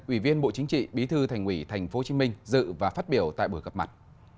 ủy viên bộ chính trị bí thư thành ủy tp hcm dự và phát biểu tại buổi gặp mặt